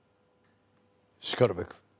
しかるべく。